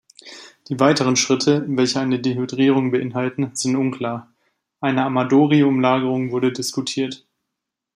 Die weiteren Schritte, welche eine Dehydrierung beinhalten, sind unklar; eine Amadori-Umlagerung wurde diskutiert.